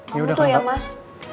kamu tuh ya mas